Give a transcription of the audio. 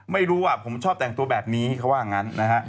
ไม่รู้ผมชอบแต่งตัวแบบนี้เขาว่างั้นนะฮะ